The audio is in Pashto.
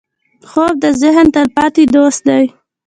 خوب د ذهن تلپاتې دوست دی